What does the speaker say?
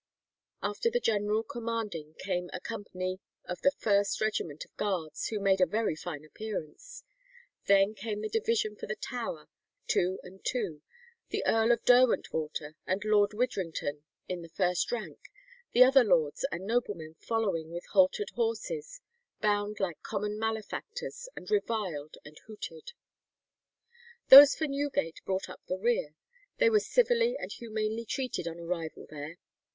After the general commanding came a company of the first regiment of Guards, who made a very fine appearance. Then came the division for the Tower, two and two, the Earl of Derwentwater and Lord Widdrington in the first rank, the other lords and noblemen following with haltered horses, bound like common malefactors, and reviled and hooted. Those for Newgate brought up the rear. They were civilly and humanely treated on arrival there.